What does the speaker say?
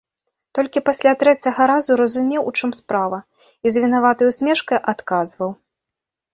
Толькі пасля трэцяга разу разумеў, у чым справа, і з вінаватай усмешкай адказваў.